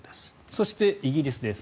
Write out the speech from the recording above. そしてイギリスです。